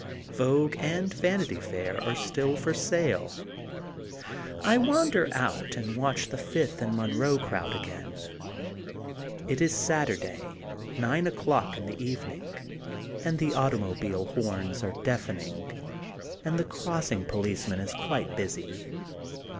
Vogue and Vanity Fair are still for sale. I wander out and watch the Fifth and Monroe crowd again. It is Saturday, nine o'clock in the evening, and the automobile horns are deafening and the crossing police man is quite busy.